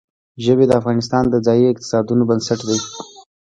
ژبې د افغانستان د ځایي اقتصادونو بنسټ دی.